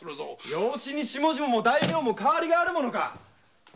養子に下々も大名もあるものか！